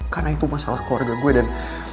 karena itu masalah keluarga gue dan